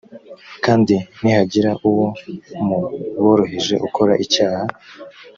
kandi nihagira uwo mu boroheje ukora icyaha